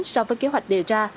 so với kế hoạch đề ra